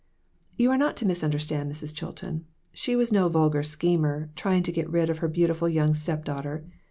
You are not to misunderstand Mrs. Chilton ; she was no vulgar schemer, trying to get rid of her beautiful young step daughter.